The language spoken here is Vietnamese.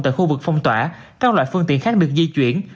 tại khu vực phong tỏa các loại phương tiện khác được di chuyển